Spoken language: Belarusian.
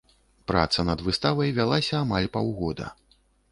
Праца над выставай вялася амаль паўгода.